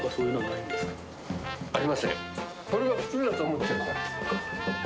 これが普通だと思っているから。